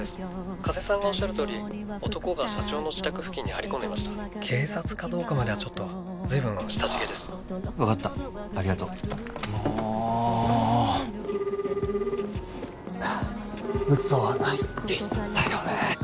☎加瀬さんがおっしゃるとおり男が社長の自宅付近に☎張り込んでました警察かどうかまではちょっと☎随分親しげです分かったありがとうもう嘘はないって言ったよね